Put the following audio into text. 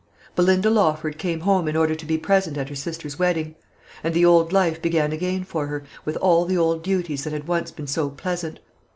Belinda Lawford came home in order to be present at her sister's wedding; and the old life began again for her, with all the old duties that had once been so pleasant.